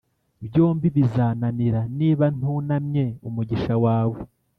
byombi bizananira niba ntunamye umugisha wawe